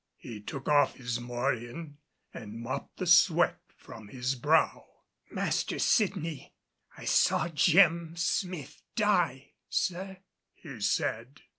He took off his morion and mopped the sweat from his brow. "Master Sydney, I saw Jem Smith die, sir," he said.